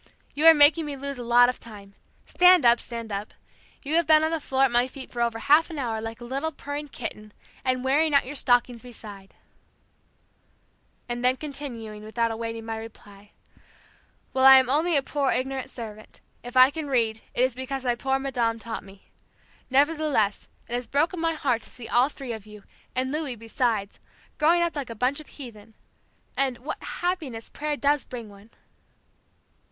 You are making me lose a lot of time. Stand up, stand up! You have been on the floor at my feet for over half an hour like a little purring kitten and wearing out your stockings besides." And then continuing without awaiting my reply: "Well, I am only a poor ignorant servant. If I can read, it is because my poor madame taught me. Nevertheless it has nearly broken my heart to see all three of you, and Louis besides, growing up like a bunch of heathen. And, what happiness prayer does bring one!"